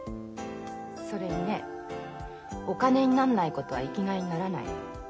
それにねお金になんないことは生きがいにならない。